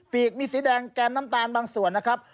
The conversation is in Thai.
กมีสีแดงแก้มน้ำตาลบางส่วนนะครับ